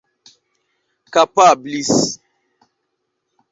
kapablis